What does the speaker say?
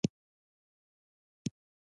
رسۍ د شته والي نښه ده.